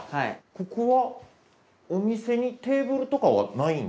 ここはお店にテーブルとかはないん。